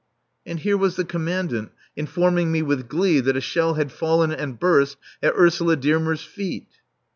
And here was the Commandant informing me with glee that a shell had fallen and burst at Ursula Dearmer's feet.